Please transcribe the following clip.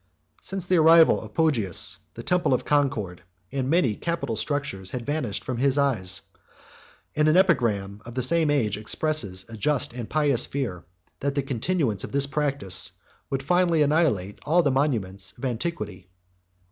341 Since the arrival of Poggius, the temple of Concord, 35 and many capital structures, had vanished from his eyes; and an epigram of the same age expresses a just and pious fear, that the continuance of this practice would finally annihilate all the monuments of antiquity.